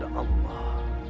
dan berdoa kepada allah